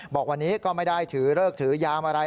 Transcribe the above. บอกวันนี้ก็ไม่ได้ถือเลิกถือยามอะไร